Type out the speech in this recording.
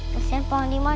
terus yang pohon lima